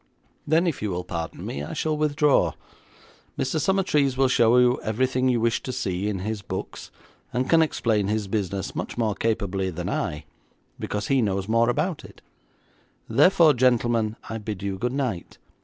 'Then, if you will pardon me, I shall withdraw. Mr. Summertrees will show you everything you wish to see in his books, and can explain his business much more capably than I, because he knows more about it; therefore, gentlemen, I bid you good night.'